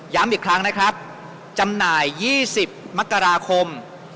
ย้ำอีกครั้งนะครับจำหน่าย๒๐มกราคม๒๕๖๐